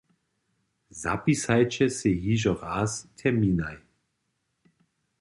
Zapisajće sej hižo raz terminaj!